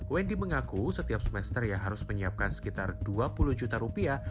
wendy mengaku setiap semester yang harus menyiapkan sekitar dua puluh juta rupiah